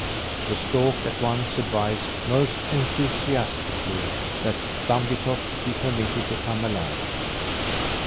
The stork at once advised, most enthusiastically, that Thumbietot be permitted to come along.